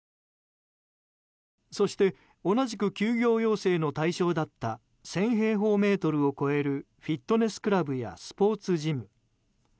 そして、同じく休業要請の対象だった１０００平方メートルを超えるフィットネスクラブやスポーツジム。